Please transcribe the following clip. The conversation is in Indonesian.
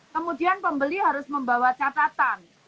kemudian pembeli harus membawa catatan